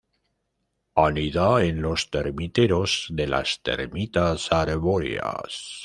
Anida en los termiteros de las termitas arbóreas.